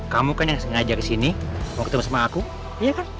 kamu kan yang sengaja kesini mau ketemu sama aku iya kan